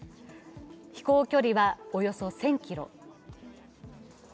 飛行距離はおよそ１０００ｋｍ。